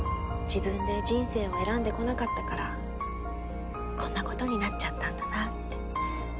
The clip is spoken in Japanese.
自分で人生を選んでこなかったからこんな事になっちゃったんだなあって。